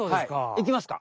いきますか？